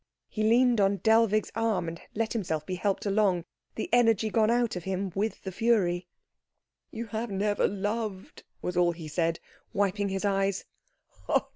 He leaned on Dellwig's arm and let himself be helped along, the energy gone out of him with the fury. "You have never loved," was all he said, wiping his eyes.